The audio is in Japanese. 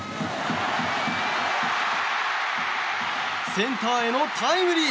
センターへのタイムリー！